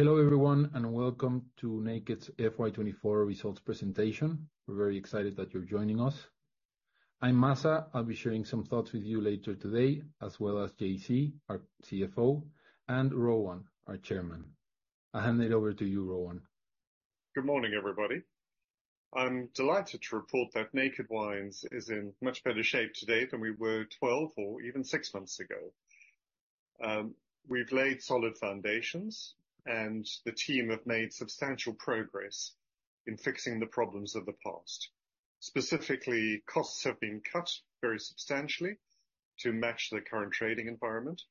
Hello, everyone, and welcome to Naked's FY 2024 results presentation. We're very excited that you're joining us. I'm Maza. I'll be sharing some thoughts with you later today, as well as JC, our CFO, and Rowan, our chairman. I'll hand it over to you, Rowan. Good morning, everybody. I'm delighted to report that Naked Wines is in much better shape today than we were twelve or even six months ago. We've laid solid foundations, and the team have made substantial progress in fixing the problems of the past. Specifically, costs have been cut very substantially to match the current trading environment.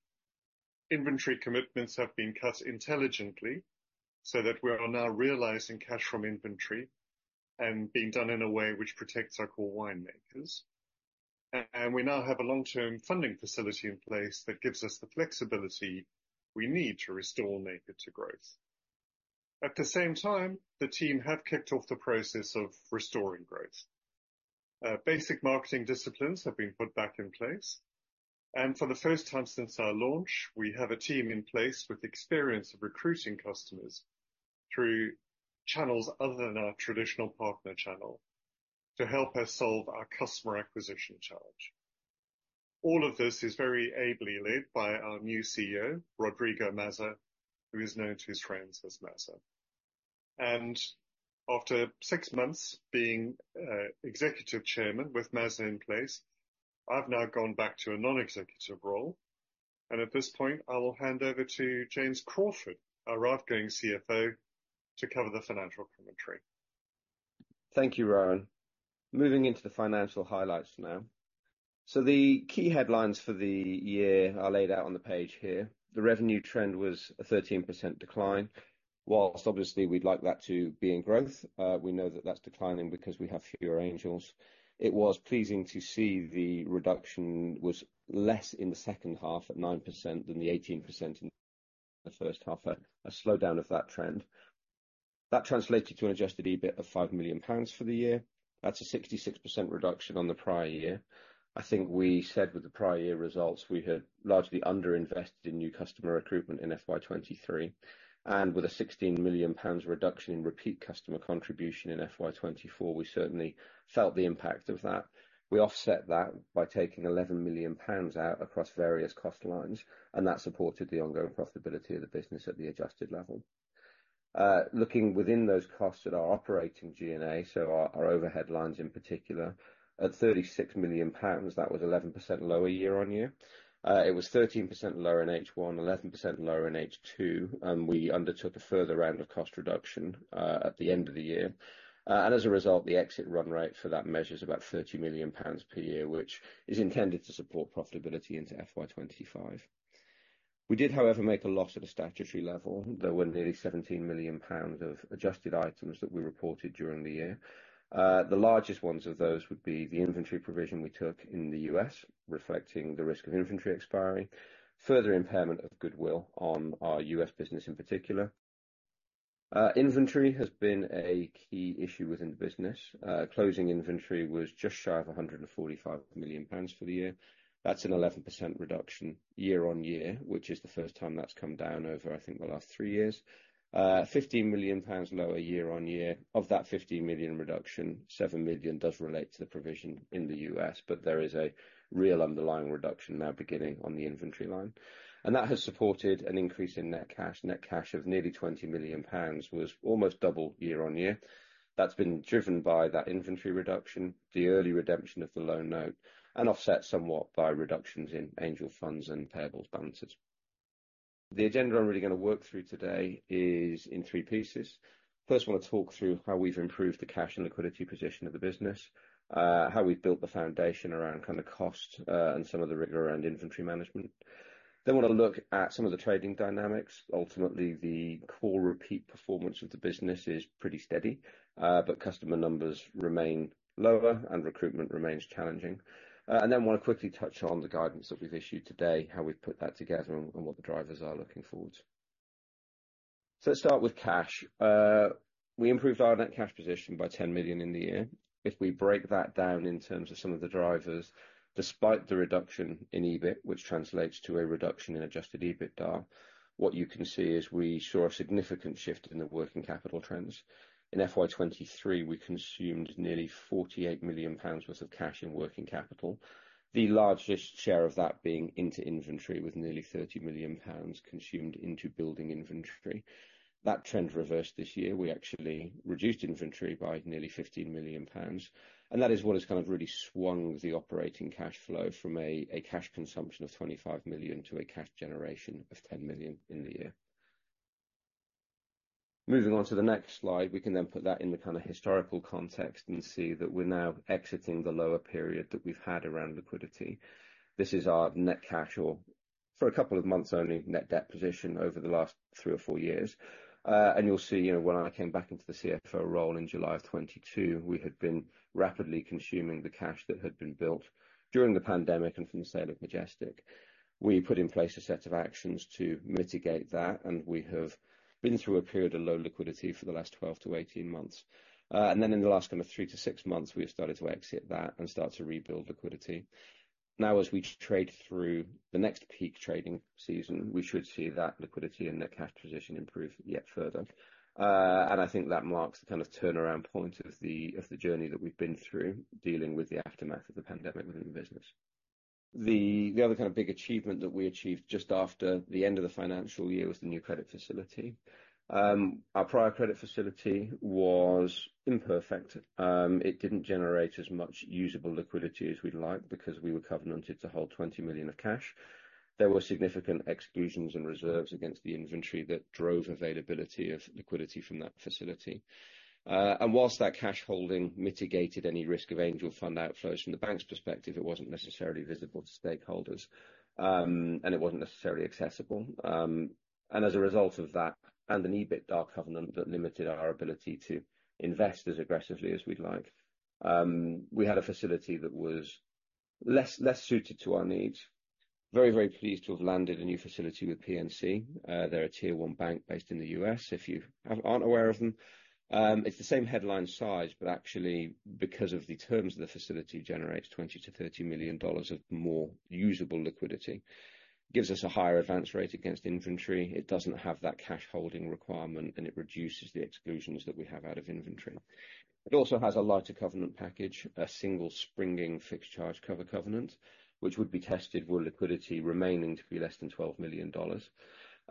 Inventory commitments have been cut intelligently, so that we are now realizing cash from inventory and being done in a way which protects our core winemakers, and we now have a long-term funding facility in place that gives us the flexibility we need to restore Naked to growth. At the same time, the team have kicked off the process of restoring growth. Basic marketing disciplines have been put back in place, and for the first time since our launch, we have a team in place with experience of recruiting customers through channels other than our traditional partner channel to help us solve our customer acquisition challenge. All of this is very ably led by our new CEO, Rodrigo Maza, who is known to his friends as Maza. And after six months being executive chairman with Maza in place, I've now gone back to a non-executive role, and at this point, I will hand over to James Crawford, our outgoing CFO, to cover the financial commentary. Thank you, Rowan. Moving into the financial highlights now. So the key headlines for the year are laid out on the page here. The revenue trend was a 13% decline. While obviously, we'd like that to be in growth, we know that that's declining because we have fewer Angels. It was pleasing to see the reduction was less in the second half, at 9%, than the 18% in the first half, a slowdown of that trend. That translated to an adjusted EBIT of 5 million pounds for the year. That's a 66% reduction on the prior year. I think we said with the prior year results, we had largely underinvested in new customer recruitment in FY 2023, and with a GBP 16 million reduction in repeat customer contribution in FY 2024, we certainly felt the impact of that. We offset that by taking 11 million pounds out across various cost lines, and that supported the ongoing profitability of the business at the adjusted level. Looking within those costs at our operating G&A, so our overhead lines in particular, at 36 million pounds, that was 11% lower year-on-year. It was 13% lower in H1, 11% lower in H2, and we undertook a further round of cost reduction at the end of the year. And as a result, the exit run rate for that measure is about 30 million pounds per year, which is intended to support profitability into FY 2025. We did, however, make a loss at a statutory level. There were nearly 17 million pounds of adjusted items that we reported during the year. The largest ones of those would be the inventory provision we took in the U.S., reflecting the risk of inventory expiring, further impairment of goodwill on our U.S. business in particular. Inventory has been a key issue within the business. Closing inventory was just shy of 145 million pounds for the year. That's an 11% reduction year-on-year, which is the first time that's come down over, I think, the last three years. 15 million pounds lower year-on-year. Of that 15 million reduction, 7 million does relate to the provision in the U.S., but there is a real underlying reduction now beginning on the inventory line. That has supported an increase in net cash. Net cash of nearly 20 million pounds was almost double year-on-year. That's been driven by that inventory reduction, the early redemption of the loan note, and offset somewhat by reductions in Angel funds and payables balances. The agenda I'm really gonna work through today is in three pieces. First, I wanna talk through how we've improved the cash and liquidity position of the business, how we've built the foundation around kind of cost, and some of the rigor around inventory management. Then wanna look at some of the trading dynamics. Ultimately, the core repeat performance of the business is pretty steady, but customer numbers remain lower and recruitment remains challenging. And then I wanna quickly touch on the guidance that we've issued today, how we've put that together and what the drivers are looking forward. So let's start with cash. We improved our net cash position by 10 million in the year. If we break that down in terms of some of the drivers, despite the reduction in EBIT, which translates to a reduction in adjusted EBITDA, what you can see is we saw a significant shift in the working capital trends. In FY 2023, we consumed nearly 48 million pounds worth of cash in working capital, the largest share of that being into inventory, with nearly 30 million pounds consumed into building inventory. That trend reversed this year. We actually reduced inventory by nearly 15 million pounds, and that is what has kind of really swung the operating cash flow from a cash consumption of 25 million to a cash generation of 10 million in the year. Moving on to the next slide, we can then put that in the kind of historical context and see that we're now exiting the lower period that we've had around liquidity. This is our net cash or, for a couple of months only, net debt position over the last three or four years. And you'll see, you know, when I came back into the CFO role in July of 2022, we had been rapidly consuming the cash that had been built during the pandemic and from the sale of Majestic. We put in place a set of actions to mitigate that, and we have been through a period of low liquidity for the last 12 months-18 months. And then in the last kind of 3 months-6 months, we have started to exit that and start to rebuild liquidity. Now, as we trade through the next peak trading season, we should see that liquidity and net cash position improve yet further. I think that marks the kind of turnaround point of the journey that we've been through, dealing with the aftermath of the pandemic within the business. The other kind of big achievement that we achieved just after the end of the financial year was the new credit facility. Our prior credit facility was imperfect. It didn't generate as much usable liquidity as we'd like because we were covenanted to hold 20 million of cash. There were significant exclusions and reserves against the inventory that drove availability of liquidity from that facility. And while that cash holding mitigated any risk of Angel fund outflows from the bank's perspective, it wasn't necessarily visible to stakeholders, and it wasn't necessarily accessible. And as a result of that, and an EBITDA covenant that limited our ability to invest as aggressively as we'd like, we had a facility that was less suited to our needs. Very, very pleased to have landed a new facility with PNC. They're a Tier 1 bank based in the U.S., if you aren't aware of them. It's the same headline size, but actually, because of the terms of the facility, generates $20 million-$30 million of more usable liquidity. Gives us a higher advance rate against inventory, it doesn't have that cash holding requirement, and it reduces the exclusions that we have out of inventory. It also has a lighter covenant package, a single springing fixed charge cover covenant, which would be tested were liquidity remaining to be less than $12 million.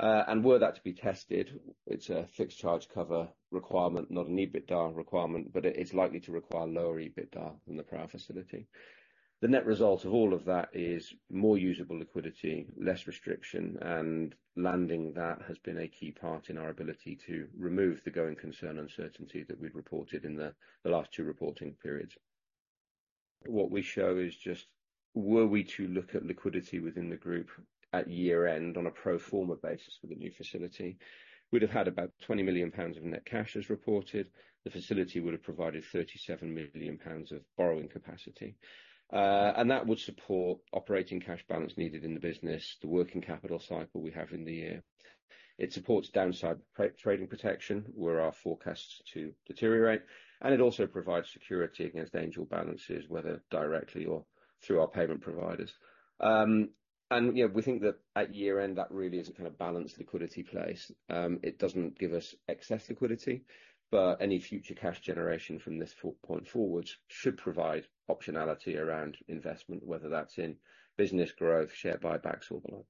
And were that to be tested, it's a fixed charge cover requirement, not an EBITDA requirement, but it's likely to require lower EBITDA than the prior facility. The net result of all of that is more usable liquidity, less restriction, and landing that has been a key part in our ability to remove the going concern uncertainty that we'd reported in the last two reporting periods. What we show is just, were we to look at liquidity within the group at year-end on a pro forma basis with the new facility, we'd have had about 20 million pounds of net cash as reported. The facility would have provided 37 million pounds of borrowing capacity. And that would support operating cash balance needed in the business, the working capital cycle we have in the year. It supports downside trade, trading protection, where our forecasts to deteriorate, and it also provides security against Angel balances, whether directly or through our payment providers. And, you know, we think that at year-end, that really is a kind of balanced liquidity place. It doesn't give us excess liquidity, but any future cash generation from this point forward should provide optionality around investment, whether that's in business growth, share buybacks, or the like.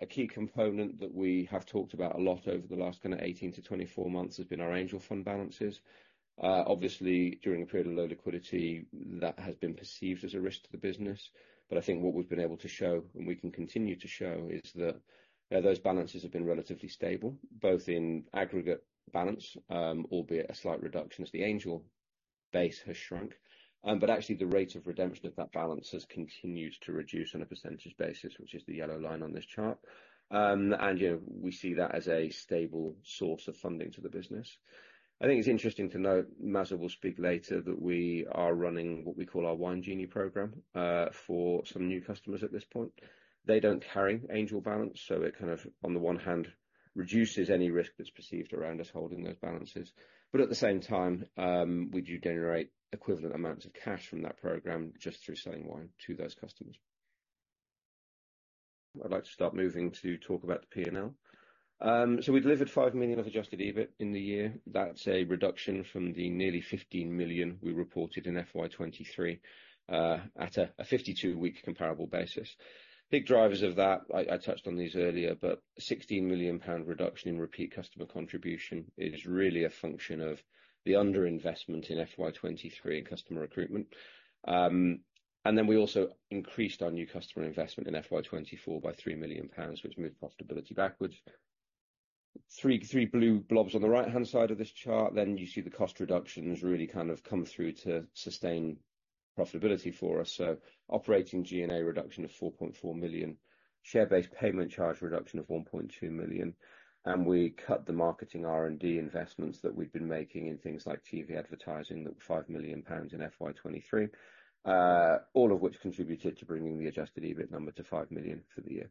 A key component that we have talked about a lot over the last kind of 18 months-24 months has been our Angel fund balances. Obviously, during a period of low liquidity, that has been perceived as a risk to the business, but I think what we've been able to show, and we can continue to show, is that those balances have been relatively stable, both in aggregate balance, albeit a slight reduction as the Angel base has shrunk, but actually, the rate of redemption of that balance has continued to reduce on a percentage basis, which is the yellow line on this chart, and, you know, we see that as a stable source of funding to the business. I think it's interesting to note, Maza will speak later, that we are running what we call our Wine Genie program, for some new customers at this point. They don't carry Angel balance, so it kind of, on the one hand, reduces any risk that's perceived around us holding those balances. But at the same time, we do generate equivalent amounts of cash from that program just through selling wine to those customers. I'd like to start moving to talk about the P&L. So we delivered 5 million of adjusted EBIT in the year. That's a reduction from the nearly 15 million we reported in FY 2023 at a 52-week comparable basis. Big drivers of that, I touched on these earlier, but 16 million pound reduction in repeat customer contribution is really a function of the underinvestment in FY 2023 in customer recruitment. And then we also increased our new customer investment in FY 2024 by 3 million pounds, which moved profitability backwards. Three blue blobs on the right-hand side of this chart, then you see the cost reductions really kind of come through to sustain profitability for us. So operating G&A reduction of 4.4 million, share-based payment charge reduction of 1.2 million, and we cut the marketing R&D investments that we'd been making in things like TV advertising, that were 5 million pounds in FY 2023. All of which contributed to bringing the adjusted EBIT number to 5 million for the year.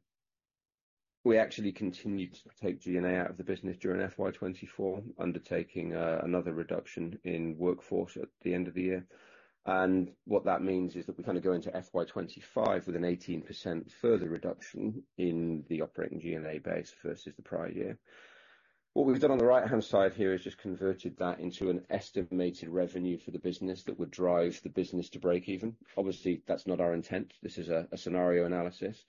We actually continued to take G&A out of the business during FY 2024, undertaking another reduction in workforce at the end of the year. And what that means is that we kind of go into FY 2025 with an 18% further reduction in the operating G&A base versus the prior year. What we've done on the right-hand side here is just converted that into an estimated revenue for the business that would drive the business to breakeven. Obviously, that's not our intent. This is a scenario analysis,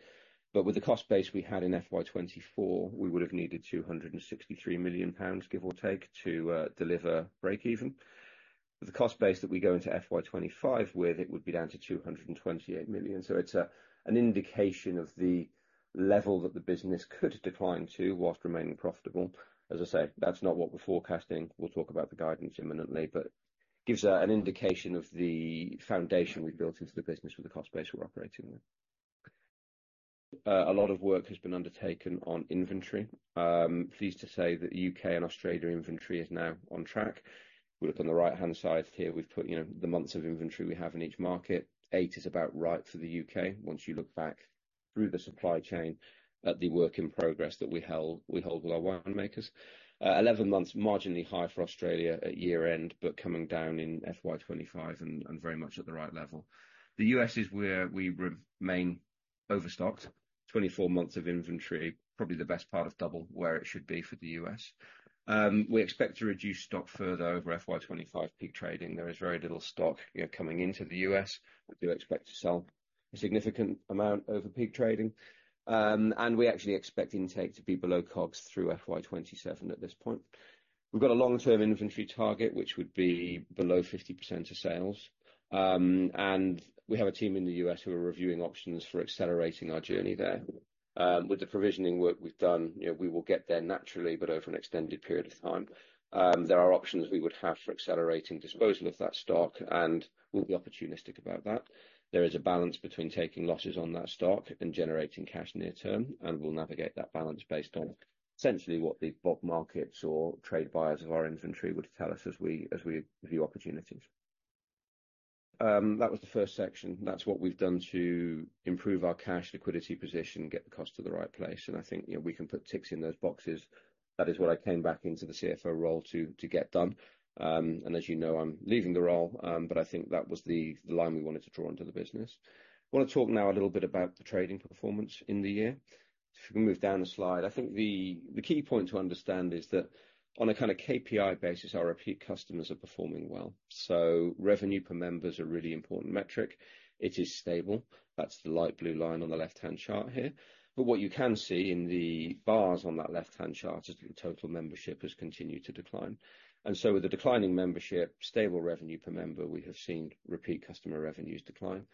but with the cost base we had in FY 2024, we would have needed 263 million pounds, give or take, to deliver breakeven. The cost base that we go into FY 2025 with, it would be down to 228 million. So it's an indication of the level that the business could decline to while remaining profitable. As I say, that's not what we're forecasting. We'll talk about the guidance imminently, but gives an indication of the foundation we've built into the business with the cost base we're operating with. A lot of work has been undertaken on inventory. Pleased to say that U.K. and Australia inventory is now on track. We look on the right-hand side here, we've put, you know, the months of inventory we have in each market. Eight is about right for the U.K. Once you look back through the supply chain at the work in progress that we held, we hold with our winemakers. 11 months, marginally higher for Australia at year-end, but coming down in FY 2025 and, and very much at the right level. The U.S. is where we remain overstocked. 24 months of inventory, probably the best part of double, where it should be for the U.S. We expect to reduce stock further over FY 2025 peak trading. There is very little stock, you know, coming into the U.S. We do expect to sell a significant amount over peak trading, and we actually expect intake to be below COGS through FY 2027 at this point. We've got a long-term inventory target, which would be below 50% of sales. And we have a team in the U.S. who are reviewing options for accelerating our journey there. With the provisioning work we've done, you know, we will get there naturally, but over an extended period of time. There are options we would have for accelerating disposal of that stock, and we'll be opportunistic about that. There is a balance between taking losses on that stock and generating cash near term, and we'll navigate that balance based on essentially what the both markets or trade buyers of our inventory would tell us as we view opportunities. That was the first section. That's what we've done to improve our cash liquidity position, get the cost to the right place, and I think, you know, we can put ticks in those boxes. That is what I came back into the CFO role to get done. And as you know, I'm leaving the role, but I think that was the line we wanted to draw under the business. I want to talk now a little bit about the trading performance in the year. If we move down a slide, I think the key point to understand is that on a kind of KPI basis, our repeat customers are performing well. So revenue per member is a really important metric. It is stable. That's the light blue line on the left-hand chart here. But what you can see in the bars on that left-hand chart is that the total membership has continued to decline. And so with the declining membership, stable revenue per member, we have seen repeat customer revenues decline.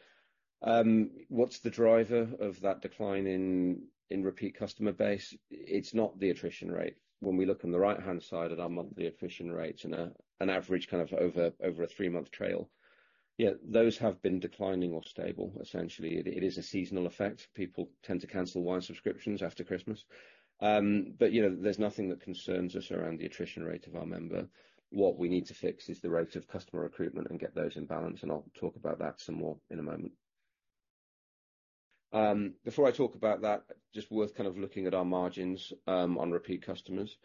What's the driver of that decline in repeat customer base? It's not the attrition rate. When we look on the right-hand side at our monthly attrition rates and an average kind of over a three-month trailing, yeah, those have been declining or stable. Essentially, it is a seasonal effect. People tend to cancel wine subscriptions after Christmas. But, you know, there's nothing that concerns us around the attrition rate of our member. What we need to fix is the rate of customer recruitment and get those in balance, and I'll talk about that some more in a moment. Before I talk about that, just worth kind of looking at our margins on repeat customers.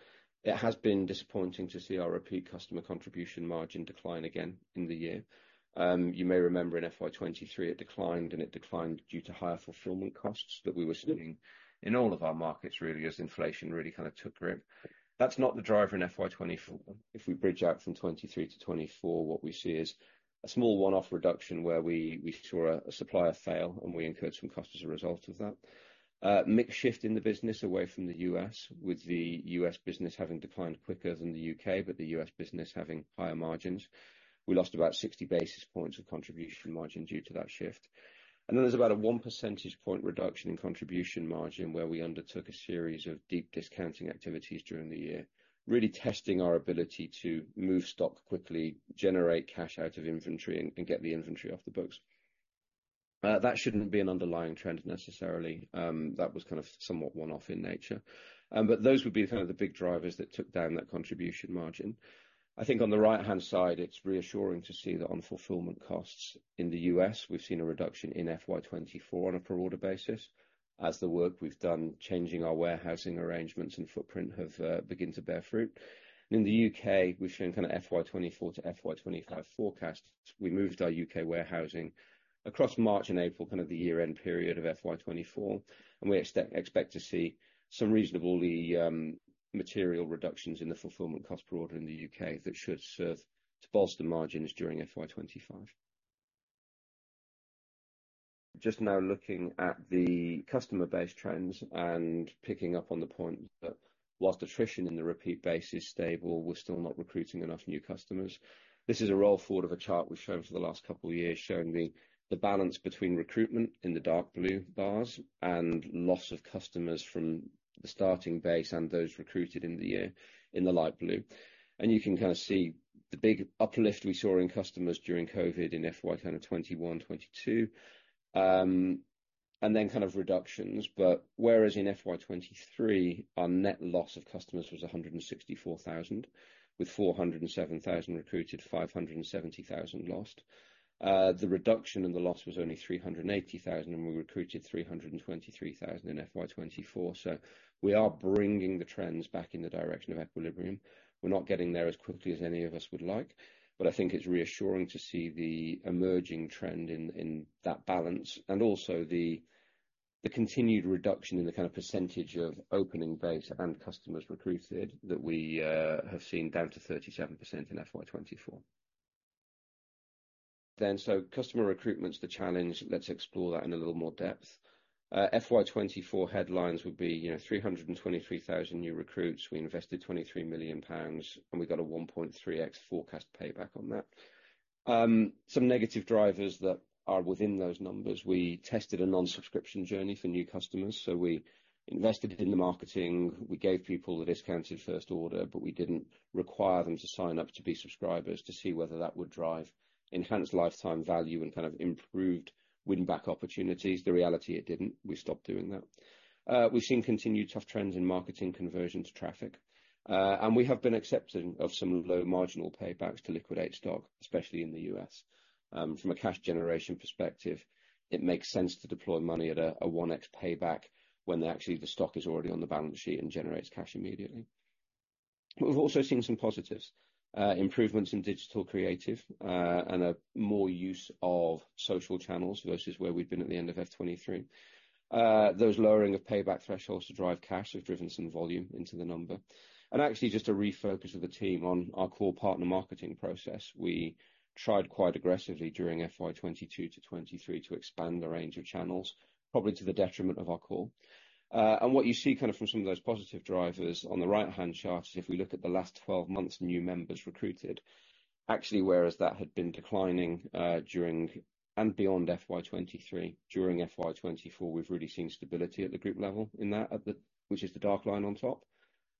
It has been disappointing to see our repeat customer contribution margin decline again in the year. You may remember in FY 2023, it declined, and it declined due to higher fulfillment costs that we were seeing in all of our markets, really, as inflation really kind of took grip. That's not the driver in FY 2024. If we bridge out from 2023 to 2024, what we see is a small one-off reduction where we saw a supplier fail, and we incurred some costs as a result of that. Mix shift in the business away from the U.S., with the U.S. business having declined quicker than the U.K., but the U.S. business having higher margins. We lost about 60 basis points of contribution margin due to that shift. And then, there's about a 1 percentage point reduction in contribution margin, where we undertook a series of deep discounting activities during the year, really testing our ability to move stock quickly, generate cash out of inventory, and get the inventory off the books. That shouldn't be an underlying trend necessarily. That was kind of somewhat one-off in nature. But those would be kind of the big drivers that took down that contribution margin. I think on the right-hand side, it's reassuring to see that on fulfillment costs in the U.S., we've seen a reduction in FY 2024 on a per order basis, as the work we've done changing our warehousing arrangements and footprint have begun to bear fruit. And in the U.K., we've shown kind of FY 2024 to FY 2025 forecasts. We moved our U.K. warehousing across March and April, kind of the year-end period of FY 2024, and we expect to see some reasonably material reductions in the fulfillment cost per order in the U.K., that should serve to bolster margins during FY 2025. Just now looking at the customer base trends and picking up on the point that while attrition in the repeat base is stable, we're still not recruiting enough new customers. This is a roll-forward of a chart we've shown for the last couple of years, showing the balance between recruitment in the dark blue bars and loss of customers from the starting base and those recruited in the year in the light blue. You can kind of see the big uplift we saw in customers during COVID in FY 2021, 2022. And then kind of reductions, but whereas in FY 2023, our net loss of customers was 164,000 with 407,000 recruited, 570,000 lost. The reduction in the loss was only 380,000, and we recruited 323,000 in FY 2024. So we are bringing the trends back in the direction of equilibrium. We're not getting there as quickly as any of us would like, but I think it's reassuring to see the emerging trend in that balance, and also the continued reduction in the kind of percentage of opening base and customers recruited that we have seen down to 37% in FY 2024. Then, so customer recruitment's the challenge. Let's explore that in a little more depth. FY 2024 headlines would be, you know, 323,000 new recruits. We invested 23 million pounds, and we got a 1.3x forecast payback on that. Some negative drivers that are within those numbers, we tested a non-subscription journey for new customers, so we invested in the marketing. We gave people a discounted first order, but we didn't require them to sign up to be subscribers to see whether that would drive enhanced lifetime value and kind of improved win-back opportunities. The reality, it didn't. We stopped doing that. We've seen continued tough trends in marketing conversion to traffic, and we have been accepting of some low marginal paybacks to liquidate stock, especially in the U.S. From a cash generation perspective, it makes sense to deploy money at a 1x payback when actually the stock is already on the balance sheet and generates cash immediately. But we've also seen some positives. Improvements in digital creative, and a more use of social channels versus where we'd been at the end of FY 2023. Those lowering of payback thresholds to drive cash have driven some volume into the number. And actually, just a refocus of the team on our core partner marketing process. We tried quite aggressively during FY 2022 to 2023 to expand the range of channels, probably to the detriment of our core. And what you see kind of from some of those positive drivers on the right-hand chart is if we look at the last 12 months, new members recruited. Actually, whereas that had been declining during and beyond FY 2023, during FY 2024, we've really seen stability at the group level in that, which is the dark line on top.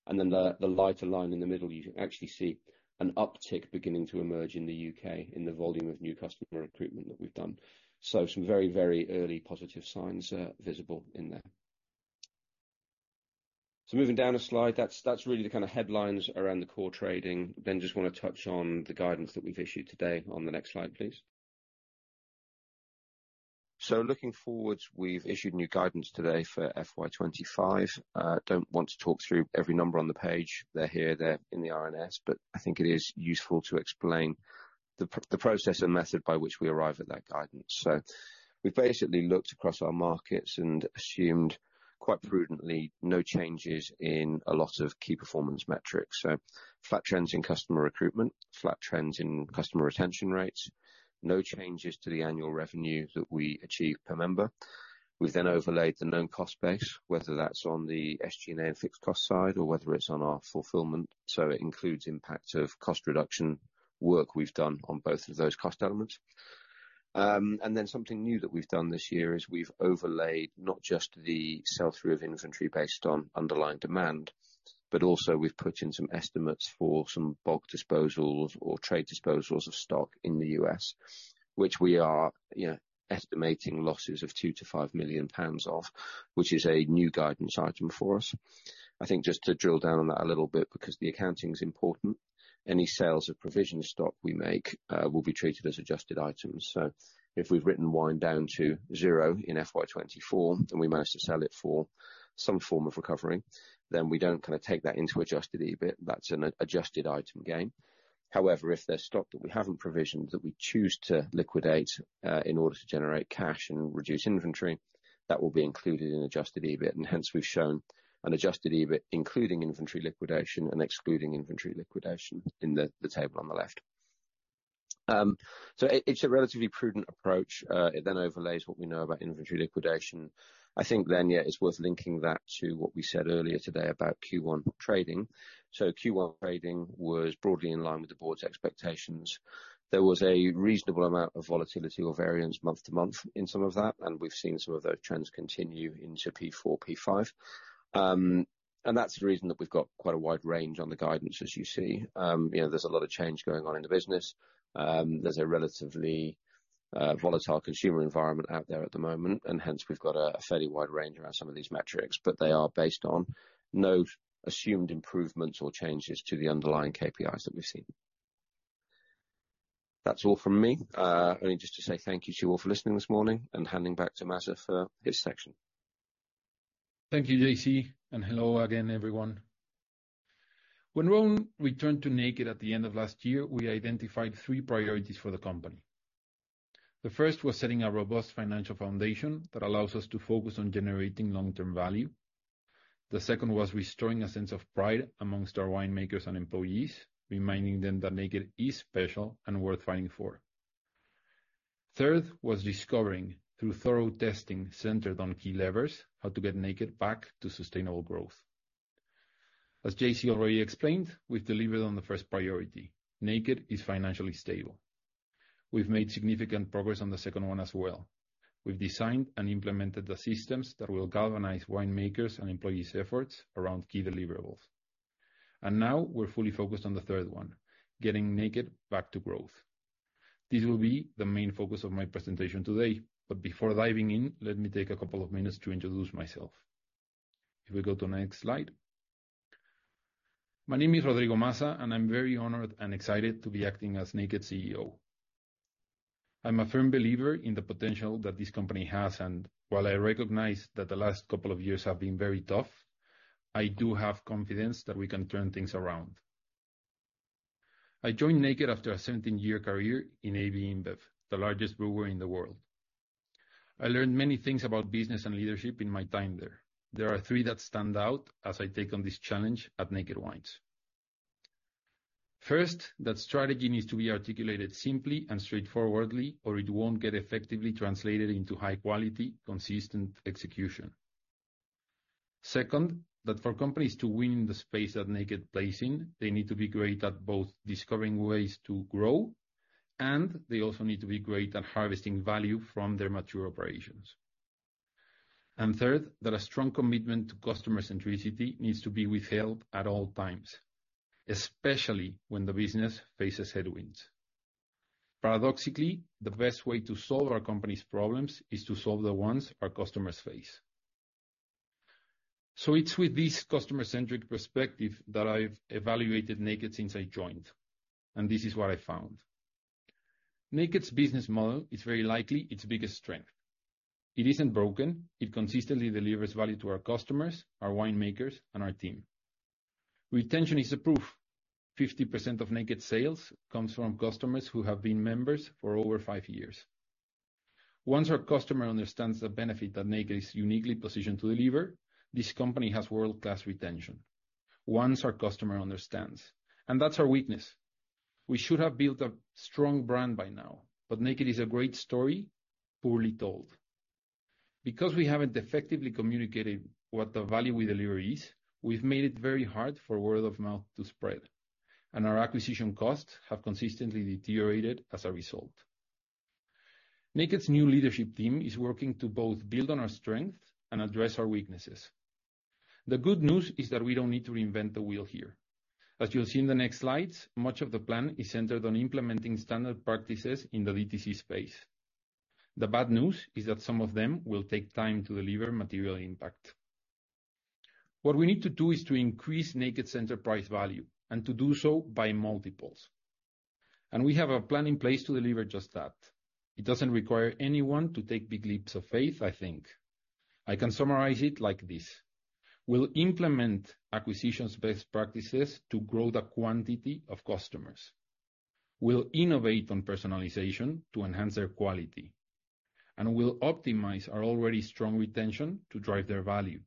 And then the lighter line in the middle, you can actually see an uptick beginning to emerge in the U.K. in the volume of new customer recruitment that we've done. So some very, very early positive signs visible in there. So moving down a slide, that's really the kind of headlines around the core trading. Then just wanna touch on the guidance that we've issued today on the next slide, please. So looking forward, we've issued new guidance today for FY 2025. Don't want to talk through every number on the page. They're here, they're in the RNS, but I think it is useful to explain the process and method by which we arrive at that guidance, so we've basically looked across our markets and assumed, quite prudently, no changes in a lot of key performance metrics, so flat trends in customer recruitment, flat trends in customer retention rates, no changes to the annual revenue that we achieve per member. We've then overlaid the known cost base, whether that's on the SG&A and fixed cost side, or whether it's on our fulfillment, so it includes impact of cost reduction work we've done on both of those cost elements. And then something new that we've done this year is we've overlaid not just the sell-through of inventory based on underlying demand, but also we've put in some estimates for some bulk disposals or trade disposals of stock in the U.S., which we are, you know, estimating losses of 2-5 million pounds of, which is a new guidance item for us. I think just to drill down on that a little bit, because the accounting is important, any sales of provision stock we make will be treated as adjusted items. So if we've written wine down to zero in FY 2024, and we managed to sell it for some form of recovery, then we don't kinda take that into adjusted EBIT. That's an adjusted item gain. However, if there's stock that we haven't provisioned, that we choose to liquidate, in order to generate cash and reduce inventory, that will be included in adjusted EBIT, and hence we've shown an adjusted EBIT, including inventory liquidation and excluding inventory liquidation in the table on the left. So it's a relatively prudent approach. It then overlays what we know about inventory liquidation. I think then, yeah, it's worth linking that to what we said earlier today about Q1 trading. So Q1 trading was broadly in line with the Board's expectations. There was a reasonable amount of volatility or variance month to month in some of that, and we've seen some of those trends continue into P4/P5. And that's the reason that we've got quite a wide range on the guidance, as you see. You know, there's a lot of change going on in the business. There's a relatively volatile consumer environment out there at the moment, and hence, we've got a fairly wide range around some of these metrics, but they are based on no assumed improvements or changes to the underlying KPIs that we've seen. That's all from me. Only just to say thank you to you all for listening this morning and handing back to Maza for his section. Thank you, JC, and hello again, everyone. When we returned to Naked at the end of last year, we identified three priorities for the company. The first was setting a robust financial foundation that allows us to focus on generating long-term value. The second was restoring a sense of pride amongst our winemakers and employees, reminding them that Naked is special and worth fighting for. Third, was discovering, through thorough testing centered on key levers, how to get Naked back to sustainable growth. As JC already explained, we've delivered on the first priority. Naked is financially stable. We've made significant progress on the second one as well. We've designed and implemented the systems that will galvanize winemakers' and employees' efforts around key deliverables. And now we're fully focused on the third one, getting Naked back to growth. This will be the main focus of my presentation today, but before diving in, let me take a couple of minutes to introduce myself. If we go to the next slide. My name is Rodrigo Maza, and I'm very honored and excited to be acting as Naked CEO. I'm a firm believer in the potential that this company has, and while I recognize that the last couple of years have been very tough, I do have confidence that we can turn things around. I joined Naked after a 17-year career in AB InBev, the largest brewer in the world. I learned many things about business and leadership in my time there. There are three that stand out as I take on this challenge at Naked Wines. First, that strategy needs to be articulated simply and straightforwardly, or it won't get effectively translated into high quality, consistent execution. Second, that for companies to win in the space that Naked plays in, they need to be great at both discovering ways to grow, and they also need to be great at harvesting value from their mature operations. And third, that a strong commitment to customer centricity needs to be withheld at all times, especially when the business faces headwinds. Paradoxically, the best way to solve our company's problems is to solve the ones our customers face. So it's with this customer-centric perspective that I've evaluated Naked since I joined, and this is what I found. Naked's business model is very likely its biggest strength. It isn't broken. It consistently delivers value to our customers, our winemakers, and our team. Retention is the proof. 50% of Naked sales comes from customers who have been members for over five years. Once our customer understands the benefit that Naked is uniquely positioned to deliver, this company has world-class retention. Once our customer understands, and that's our weakness. We should have built a strong brand by now, but Naked is a great story, poorly told. Because we haven't effectively communicated what the value we deliver is, we've made it very hard for word of mouth to spread, and our acquisition costs have consistently deteriorated as a result. Naked's new leadership team is working to both build on our strengths and address our weaknesses. The good news is that we don't need to reinvent the wheel here. As you'll see in the next slides, much of the plan is centered on implementing standard practices in the DTC space. The bad news is that some of them will take time to deliver material impact. What we need to do is to increase Naked's enterprise value, and to do so by multiples, and we have a plan in place to deliver just that. It doesn't require anyone to take big leaps of faith, I think. I can summarize it like this: We'll implement acquisitions-based practices to grow the quantity of customers. We'll innovate on personalization to enhance their quality, and we'll optimize our already strong retention to drive their value.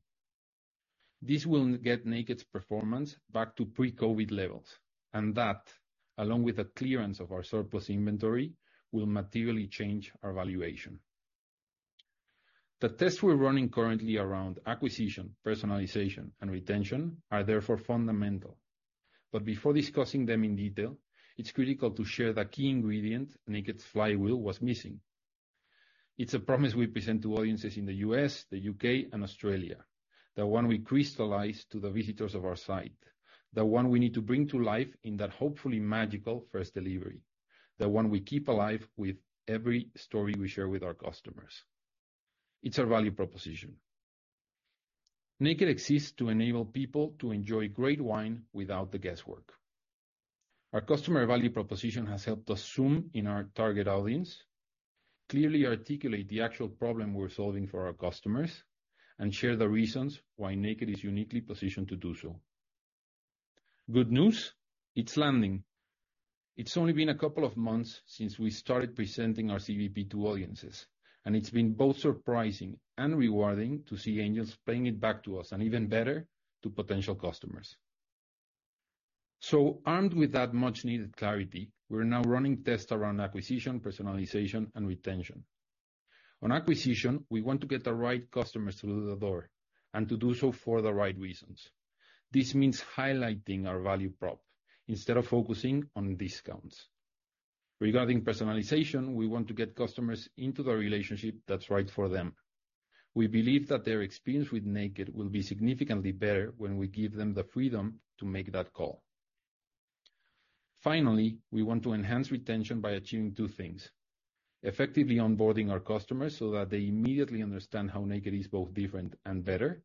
This will get Naked's performance back to pre-COVID levels, and that, along with the clearance of our surplus inventory, will materially change our valuation. The tests we're running currently around acquisition, personalization, and retention are therefore fundamental, but before discussing them in detail, it's critical to share the key ingredient Naked's flywheel was missing. It's a promise we present to audiences in the U.S., the U.K., and Australia. The one we crystallize to the visitors of our site, the one we need to bring to life in that hopefully magical first delivery, the one we keep alive with every story we share with our customers. It's our value proposition. Naked exists to enable people to enjoy great wine without the guesswork. Our customer value proposition has helped us zoom in our target audience, clearly articulate the actual problem we're solving for our customers, and share the reasons why Naked is uniquely positioned to do so. Good news, it's landing. It's only been a couple of months since we started presenting our CVP to audiences, and it's been both surprising and rewarding to see Angels bringing it back to us, and even better, to potential customers. So armed with that much needed clarity, we're now running tests around acquisition, personalization, and retention. On acquisition, we want to get the right customers through the door and to do so for the right reasons. This means highlighting our value prop instead of focusing on discounts. Regarding personalization, we want to get customers into the relationship that's right for them. We believe that their experience with Naked will be significantly better when we give them the freedom to make that call. Finally, we want to enhance retention by achieving two things: effectively onboarding our customers so that they immediately understand how Naked is both different and better,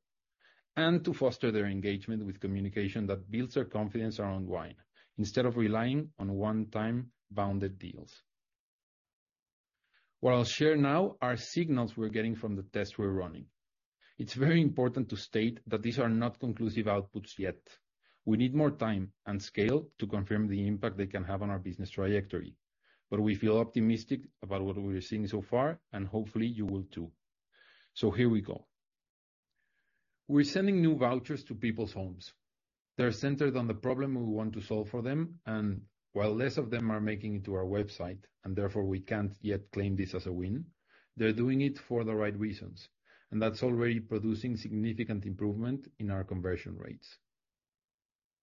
and to foster their engagement with communication that builds their confidence around wine, instead of relying on one-time bounded deals. What I'll share now are signals we're getting from the tests we're running. It's very important to state that these are not conclusive outputs yet. We need more time and scale to confirm the impact they can have on our business trajectory, but we feel optimistic about what we are seeing so far, and hopefully you will, too. So here we go. We're sending new vouchers to people's homes. They're centered on the problem we want to solve for them, and while less of them are making it to our website, and therefore we can't yet claim this as a win, they're doing it for the right reasons, and that's already producing significant improvement in our conversion rates.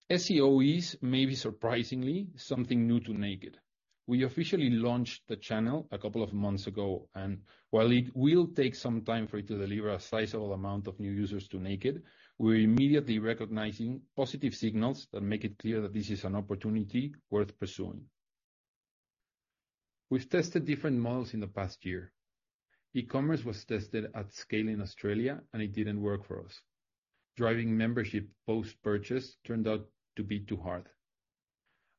SEO is, maybe surprisingly, something new to Naked. We officially launched the channel a couple of months ago, and while it will take some time for it to deliver a sizable amount of new users to Naked, we're immediately recognizing positive signals that make it clear that this is an opportunity worth pursuing. We've tested different models in the past year. E-commerce was tested at scale in Australia, and it didn't work for us. Driving membership post-purchase turned out to be too hard.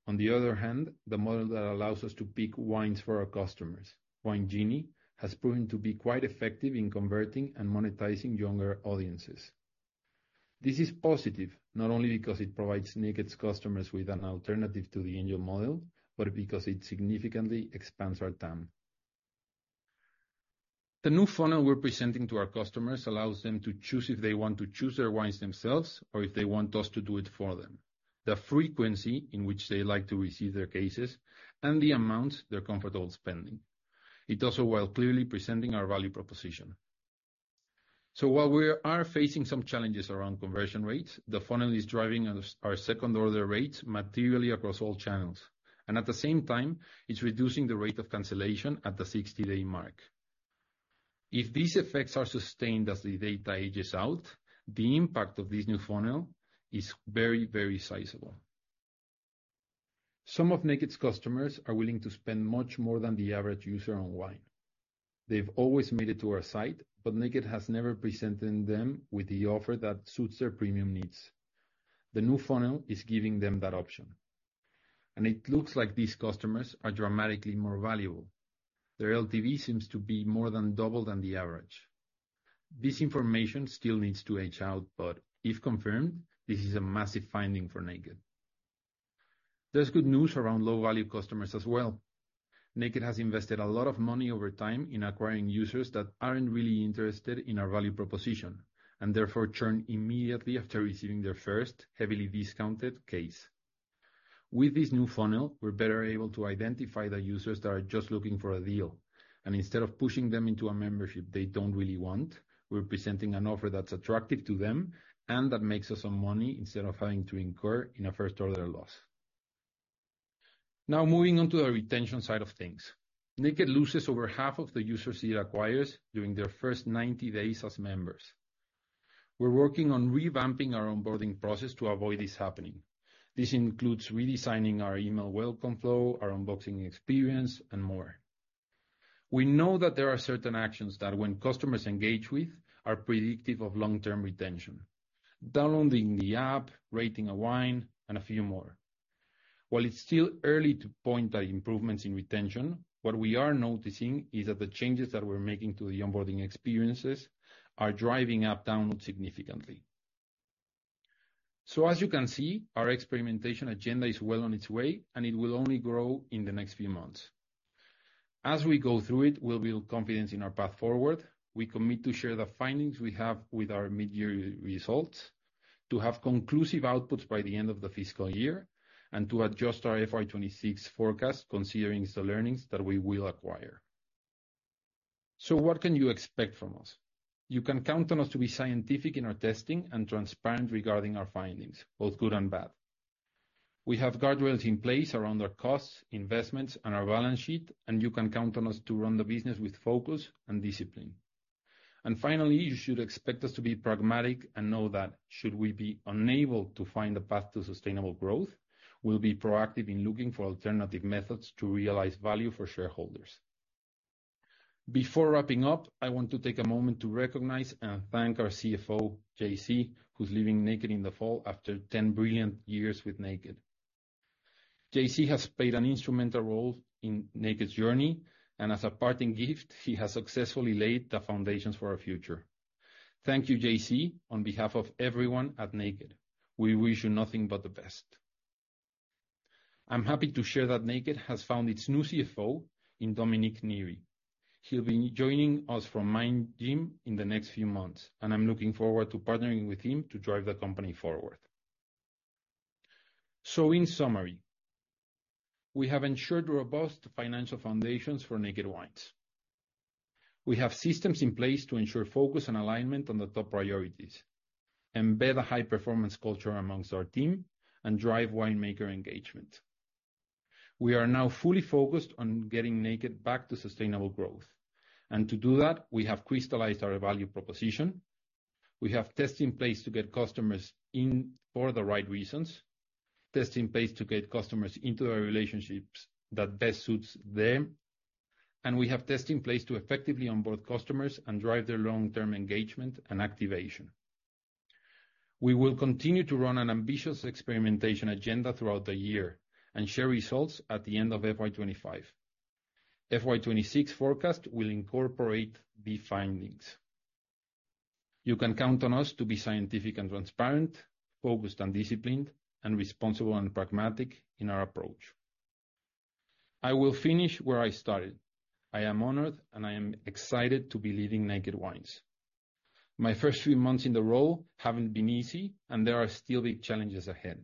On the other hand, the model that allows us to pick wines for our customers, Wine Genie, has proven to be quite effective in converting and monetizing younger audiences. This is positive, not only because it provides Naked's customers with an alternative to the Angel model, but because it significantly expands our TAM. The new funnel we're presenting to our customers allows them to choose if they want to choose their wines themselves, or if they want us to do it for them, the frequency in which they like to receive their cases, and the amount they're comfortable spending. It also, while clearly presenting our value proposition. While we are facing some challenges around conversion rates, the funnel is driving our second order rates materially across all channels, and at the same time, it's reducing the rate of cancellation at the 60-day mark. If these effects are sustained as the data ages out, the impact of this new funnel is very, very sizable. Some of Naked's customers are willing to spend much more than the average user on wine. They've always made it to our site, but Naked has never presented them with the offer that suits their premium needs. The new funnel is giving them that option, and it looks like these customers are dramatically more valuable. Their LTV seems to be more than double than the average. This information still needs to age out, but if confirmed, this is a massive finding for Naked. There's good news around low-value customers as well. Naked has invested a lot of money over time in acquiring users that aren't really interested in our value proposition, and therefore churn immediately after receiving their first heavily discounted case. With this new funnel, we're better able to identify the users that are just looking for a deal, and instead of pushing them into a membership they don't really want, we're presenting an offer that's attractive to them and that makes us some money instead of having to incur in a first-order loss. Now, moving on to the retention side of things. Naked loses over half of the users it acquires during their first ninety days as members. We're working on revamping our onboarding process to avoid this happening. This includes redesigning our email welcome flow, our unboxing experience, and more. We know that there are certain actions that, when customers engage with, are predictive of long-term retention: downloading the app, rating a wine, and a few more. While it's still early to point at improvements in retention, what we are noticing is that the changes that we're making to the onboarding experiences are driving up downloads significantly. So as you can see, our experimentation agenda is well on its way, and it will only grow in the next few months. As we go through it, we'll build confidence in our path forward. We commit to share the findings we have with our mid-year results, to have conclusive outputs by the end of the fiscal year, and to adjust our FY 2026 forecast considering the learnings that we will acquire. So what can you expect from us? You can count on us to be scientific in our testing and transparent regarding our findings, both good and bad. We have guardrails in place around our costs, investments, and our balance sheet, and you can count on us to run the business with focus and discipline, and finally, you should expect us to be pragmatic and know that should we be unable to find a path to sustainable growth, we'll be proactive in looking for alternative methods to realize value for shareholders. Before wrapping up, I want to take a moment to recognize and thank our CFO, JC, who's leaving Naked in the fall after ten brilliant years with Naked. JC has played an instrumental role in Naked's journey, and as a parting gift, he has successfully laid the foundations for our future. Thank you, JC, on behalf of everyone at Naked. We wish you nothing but the best. I'm happy to share that Naked has found its new CFO in Dominic Neary. He'll be joining us from Mind Gym in the next few months, and I'm looking forward to partnering with him to drive the company forward. So in summary, we have ensured robust financial foundations for Naked Wines. We have systems in place to ensure focus and alignment on the top priorities, embed a high-performance culture among our team, and drive wine maker engagement. We are now fully focused on getting Naked back to sustainable growth, and to do that, we have crystallized our value proposition. We have tests in place to get customers in for the right reasons, tests in place to get customers into the relationships that best suits them, and we have tests in place to effectively onboard customers and drive their long-term engagement and activation. We will continue to run an ambitious experimentation agenda throughout the year and share results at the end of FY 2025. FY 2026 will incorporate the findings. You can count on us to be scientific and transparent, focused and disciplined, and responsible and pragmatic in our approach. I will finish where I started. I am honored, and I am excited to be leading Naked Wines. My first few months in the role haven't been easy, and there are still big challenges ahead,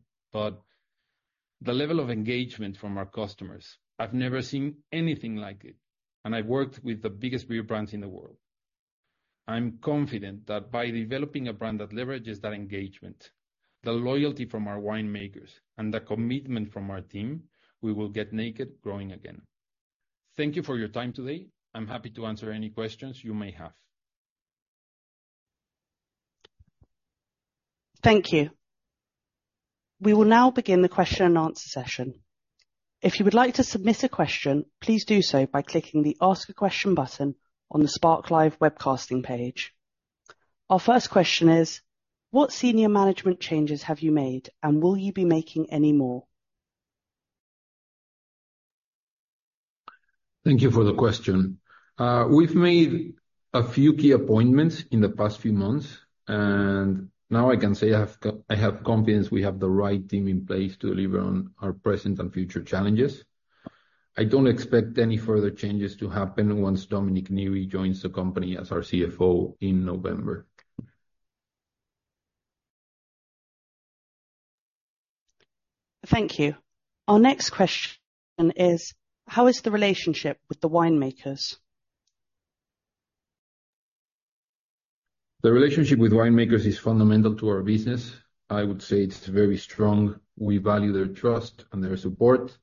but the level of engagement from our customers, I've never seen anything like it, and I've worked with the biggest beer brands in the world. I'm confident that by developing a brand that leverages that engagement, the loyalty from our winemakers, and the commitment from our team, we will get Naked growing again. Thank you for your time today. I'm happy to answer any questions you may have. Thank you. We will now begin the question and answer session. If you would like to submit a question, please do so by clicking the Ask a Question button on the SparkLive webcasting page. Our first question is: What senior management changes have you made, and will you be making any more? Thank you for the question. We've made a few key appointments in the past few months, and now I can say I have confidence we have the right team in place to deliver on our present and future challenges. I don't expect any further changes to happen once Dominic Neary joins the company as our CFO in November. Thank you. Our next question is: How is the relationship with the winemakers? The relationship with winemakers is fundamental to our business. I would say it's very strong. We value their trust and their support,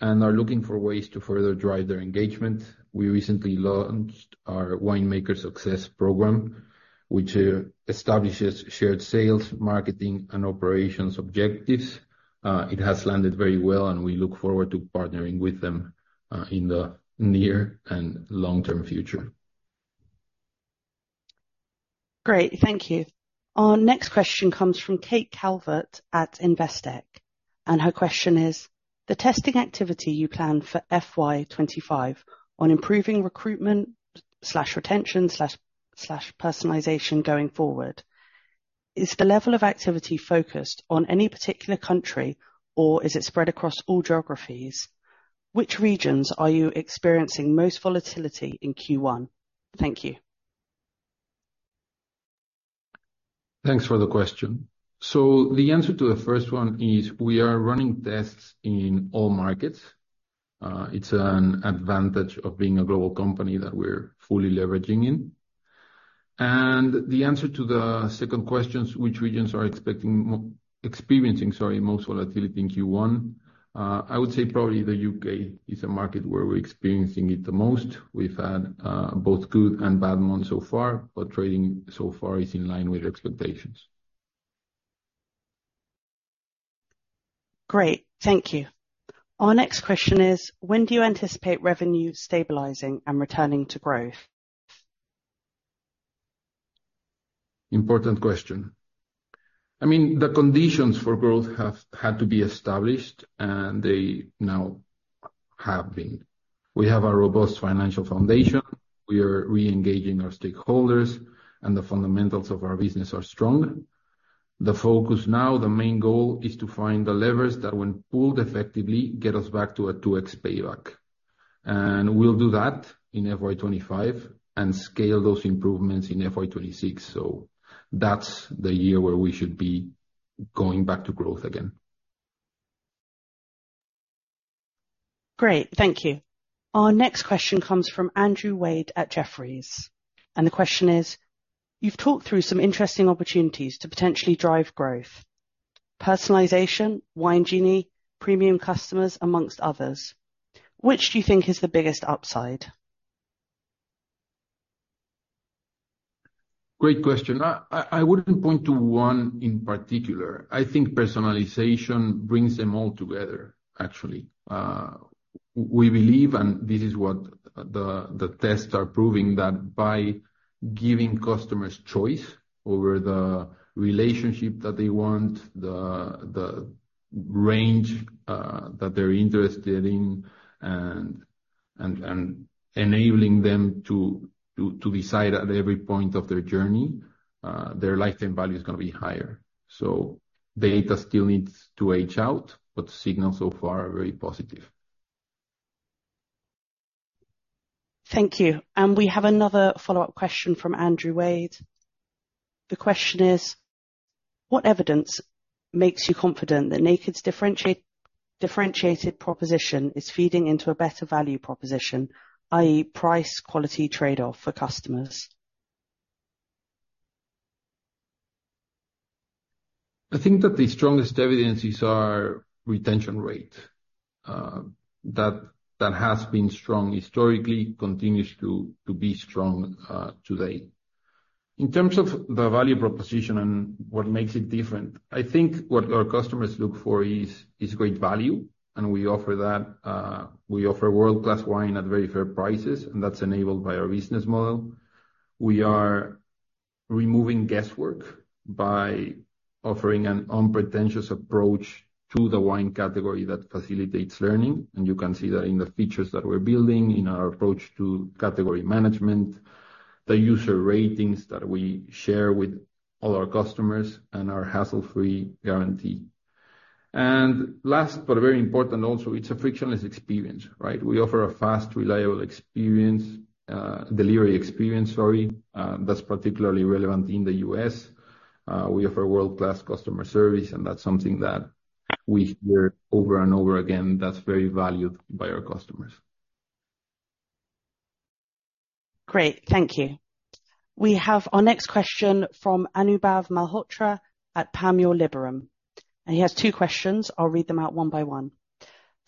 and are looking for ways to further drive their engagement. We recently launched our Winemaker Success Program, which establishes shared sales, marketing, and operations objectives. It has landed very well, and we look forward to partnering with them in the near and long-term future. Great. Thank you. Our next question comes from Kate Calvert at Investec, and her question is: "The testing activity you plan for FY 2025 on improving recruitment slash retention slash, slash personalization going forward, is the level of activity focused on any particular country, or is it spread across all geographies? Which regions are you experiencing most volatility in Q1?" Thank you. Thanks for the question. So the answer to the first one is, we are running tests in all markets. It's an advantage of being a global company that we're fully leveraging in. And the answer to the second questions, which regions are experiencing, sorry, most volatility in Q1? I would say probably the U.K. is a market where we're experiencing it the most. We've had both good and bad months so far, but trading so far is in line with expectations. Great. Thank you. Our next question is: When do you anticipate revenue stabilizing and returning to growth? Important question. I mean, the conditions for growth have had to be established, and they now have been. We have a robust financial foundation, we are reengaging our stakeholders, and the fundamentals of our business are strong. The focus now, the main goal, is to find the levers that when pulled effectively, get us back to a 2x payback, and we'll do that in FY 2025 and scale those improvements in FY 2026, so that's the year where we should be going back to growth again. Great. Thank you. Our next question comes from Andrew Wade at Jefferies, and the question is: "You've talked through some interesting opportunities to potentially drive growth, personalization, Wine Genie, premium customers, amongst others. Which do you think is the biggest upside? Great question. I wouldn't point to one in particular. I think personalization brings them all together, actually. We believe, and this is what the tests are proving, that by giving customers choice over the relationship that they want, the range that they're interested in, and enabling them to decide at every point of their journey, their lifetime value is gonna be higher. So the data still needs to age out, but signals so far are very positive. Thank you. And we have another follow-up question from Andrew Wade. The question is: "What evidence makes you confident that Naked's differentiated proposition is feeding into a better value proposition, i.e., price, quality trade-off for customers? I think that the strongest evidence is our retention rate. That has been strong historically, continues to be strong today. In terms of the value proposition and what makes it different, I think what our customers look for is great value, and we offer that. We offer world-class wine at very fair prices, and that's enabled by our business model. We are removing guesswork by offering an unpretentious approach to the wine category that facilitates learning, and you can see that in the features that we're building, in our approach to category management, the user ratings that we share with all our customers, and our hassle-free guarantee. And last, but very important also, it's a frictionless experience, right? We offer a fast, reliable delivery experience that's particularly relevant in the U.S. We offer world-class customer service, and that's something that we hear over and over again, that's very valued by our customers. Great. Thank you. We have our next question from Anubhav Malhotra at Panmure Gordon, and he has two questions. I'll read them out one by one.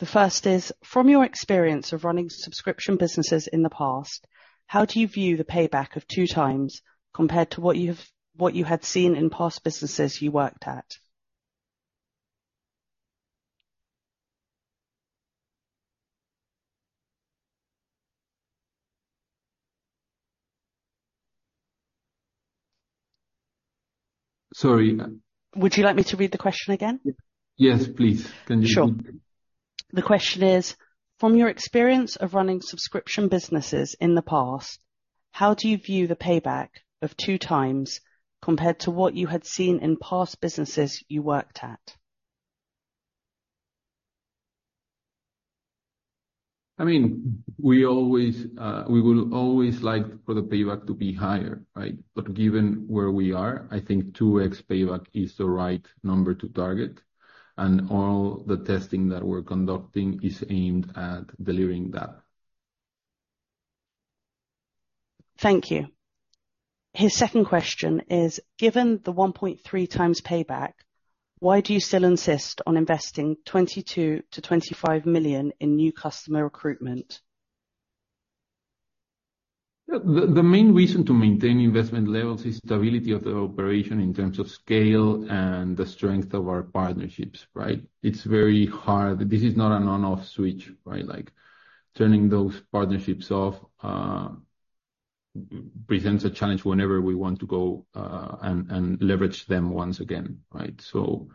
The first is: From your experience of running subscription businesses in the past, how do you view the payback of two times compared to what you had seen in past businesses you worked at? Sorry, uh- Would you like me to read the question again? Yes, please. Can you read it? Sure. The question is: From your experience of running subscription businesses in the past, how do you view the payback of 2x compared to what you had seen in past businesses you worked at? I mean, we always, we would always like for the payback to be higher, right? But given where we are, I think 2x payback is the right number to target, and all the testing that we're conducting is aimed at delivering that. Thank you. His second question is: Given the 1.3x payback, why do you still insist on investing 22 million-25 million in new customer recruitment? The main reason to maintain investment levels is stability of the operation in terms of scale and the strength of our partnerships, right? It's very hard. This is not an on/off switch, right? Like, turning those partnerships off presents a challenge whenever we want to go and leverage them once again, right? So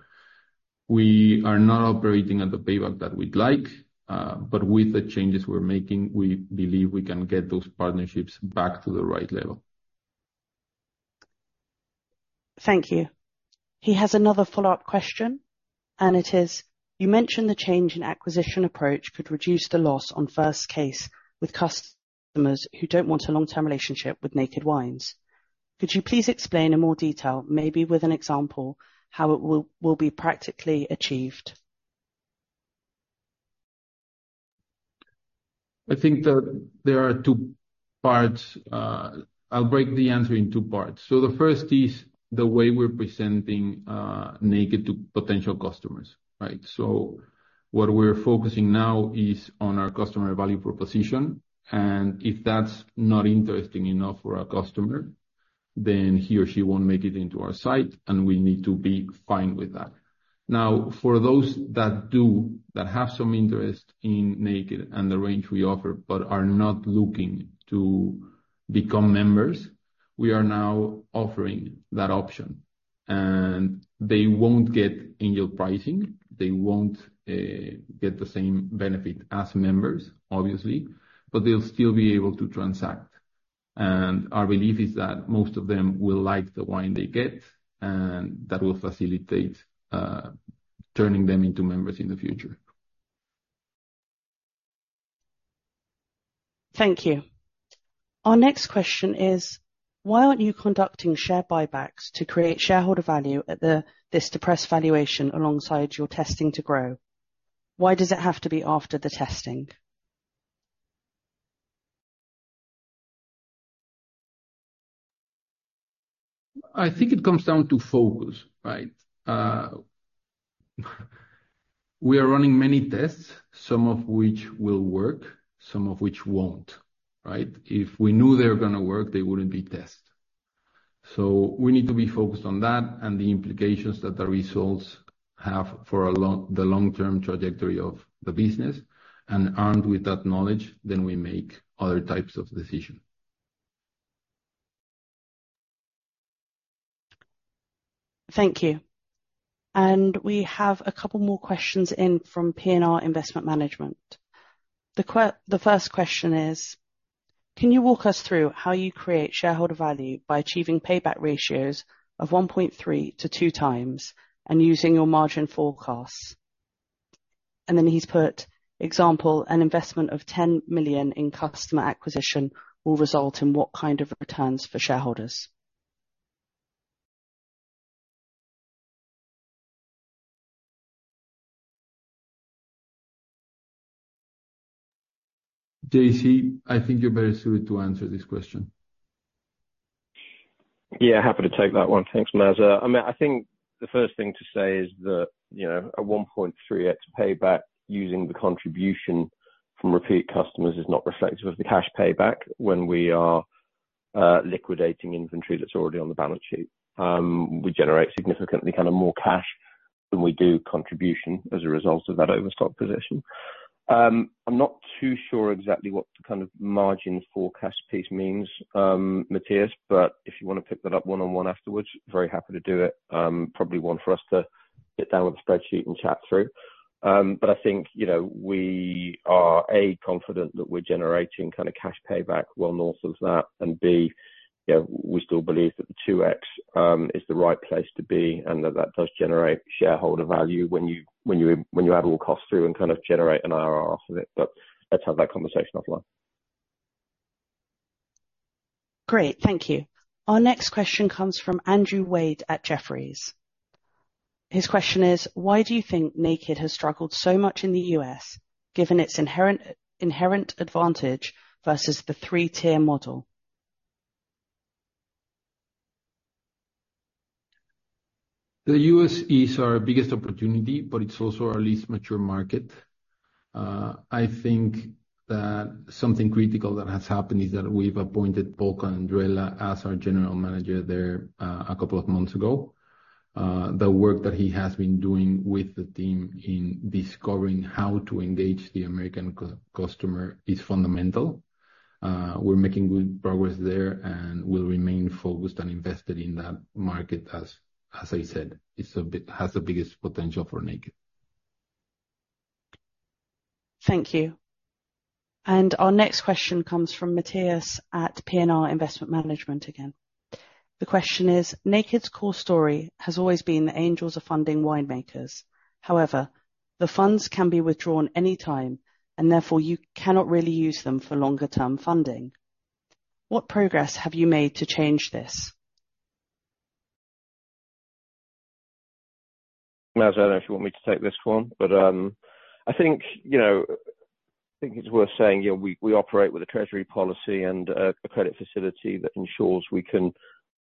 we are not operating at the payback that we'd like, but with the changes we're making, we believe we can get those partnerships back to the right level. Thank you. He has another follow-up question, and it is: You mentioned the change in acquisition approach could reduce the loss on first case with customers who don't want a long-term relationship with Naked Wines. Could you please explain in more detail, maybe with an example, how it will be practically achieved? I think that there are two parts. I'll break the answer in two parts. So the first is the way we're presenting Naked to potential customers, right? So what we're focusing now is on our customer value proposition, and if that's not interesting enough for our customer, then he or she won't make it into our site, and we need to be fine with that. Now, for those that do, that have some interest in Naked and the range we offer, but are not looking to become members, we are now offering that option. And they won't get annual pricing. They won't get the same benefit as members, obviously, but they'll still be able to transact. And our belief is that most of them will like the wine they get, and that will facilitate turning them into members in the future. Thank you. Our next question is: Why aren't you conducting share buybacks to create shareholder value at this depressed valuation alongside your testing to grow? Why does it have to be after the testing? I think it comes down to focus, right? We are running many tests, some of which will work, some of which won't, right? If we knew they were gonna work, they wouldn't be tests. So we need to be focused on that and the implications that the results have for the long-term trajectory of the business. And armed with that knowledge, then we make other types of decisions. Thank you. And we have a couple more questions in from P&R Investment Management. The first question is: Can you walk us through how you create shareholder value by achieving payback ratios of 1.3x-2x, and using your margin forecasts? And then he's put, example, an investment of 10 million in customer acquisition will result in what kind of returns for shareholders? JC, I think you're better suited to answer this question. Yeah, happy to take that one. Thanks, Maza. I mean, I think the first thing to say is that, you know, a 1.3x payback using the contribution from repeat customers is not reflective of the cash payback when we are liquidating inventory that's already on the balance sheet. We generate significantly kind of more cash than we do contribution as a result of that overstock position. I'm not too sure exactly what the kind of margin forecast piece means, Matthias, but if you wanna pick that up one-on-one afterwards, very happy to do it. Probably one for us to sit down with a spreadsheet and chat through. But I think, you know, we are, A, confident that we're generating kind of cash payback well north of that, and B, you know, we still believe that the 2x is the right place to be, and that that does generate shareholder value when you add all costs through and kind of generate an IRR off of it, but let's have that conversation offline. Great. Thank you. Our next question comes from Andrew Wade at Jefferies. His question is: Why do you think Naked has struggled so much in the U.S., given its inherent, inherent advantage versus the three-tier model? The U.S. is our biggest opportunity, but it's also our least mature market. I think that something critical that has happened is that we've appointed Paul Calandrella as our general manager there a couple of months ago. The work that he has been doing with the team in discovering how to engage the American customer is fundamental. We're making good progress there, and we'll remain focused and invested in that market as I said, it's the has the biggest potential for Naked. Thank you. And our next question comes from Matthias at P&R Investment Management again. The question is: Naked's core story has always been that Angels are funding winemakers. However, the funds can be withdrawn any time, and therefore you cannot really use them for longer term funding. What progress have you made to change this? Maza, I don't know if you want me to take this one, but, I think, you know, I think it's worth saying, you know, we operate with a treasury policy and a credit facility that ensures we can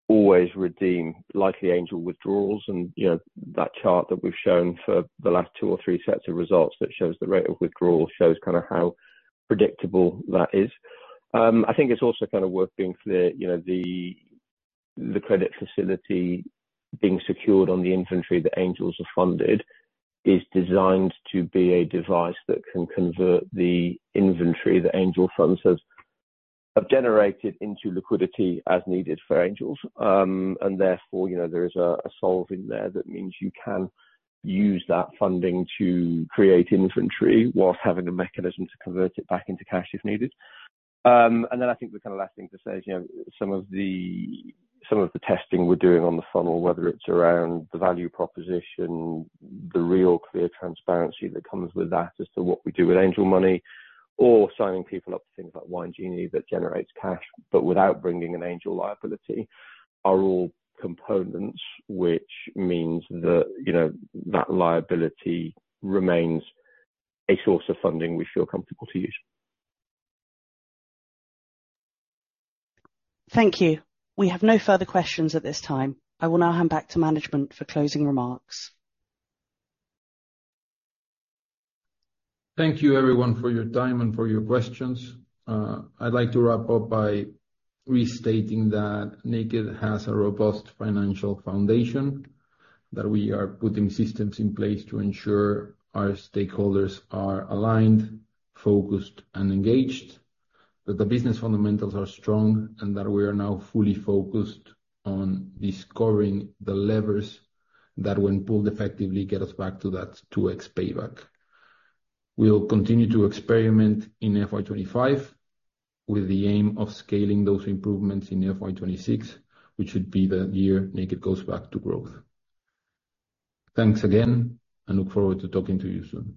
always redeem likely Angel withdrawals. And, you know, that chart that we've shown for the last two or three sets of results, that shows the rate of withdrawal, shows kind of how predictable that is. I think it's also kind of worth being clear, you know, the, the credit facility being secured on the inventory that Angels have funded, is designed to be a device that can convert the inventory that Angel funds has, have generated into liquidity as needed for Angels. And therefore, you know, there is a solve in there that means you can use that funding to create inventory whilst having a mechanism to convert it back into cash if needed. And then I think the kind of last thing to say is, you know, some of the testing we're doing on the funnel, whether it's around the value proposition, the real clear transparency that comes with that as to what we do with Angel money, or signing people up to things like Wine Genie, that generates cash, but without bringing an Angel liability, are all components, which means that, you know, that liability remains a source of funding we feel comfortable to use. Thank you. We have no further questions at this time. I will now hand back to management for closing remarks. Thank you, everyone, for your time and for your questions. I'd like to wrap up by restating that Naked has a robust financial foundation, that we are putting systems in place to ensure our stakeholders are aligned, focused, and engaged, that the business fundamentals are strong, and that we are now fully focused on discovering the levers that, when pulled effectively, get us back to that 2x payback. We will continue to experiment in FY 2025, with the aim of scaling those improvements in FY 2026, which should be the year Naked goes back to growth. Thanks again, and look forward to talking to you soon.